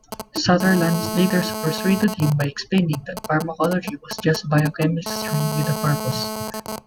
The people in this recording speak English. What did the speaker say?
Sutherland later persuaded him by explaining that pharmacology was just biochemistry with a purpose.